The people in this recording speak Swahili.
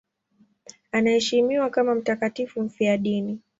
Anaheshimiwa kama mtakatifu mfiadini.